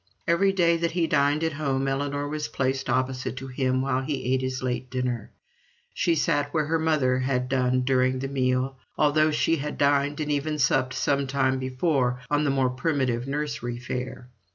Every day that he dined at home Ellinor was placed opposite to him while he ate his late dinner; she sat where her mother had done during the meal, although she had dined and even supped some time before on the more primitive nursery fare.